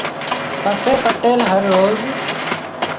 پسي پٽيل هروز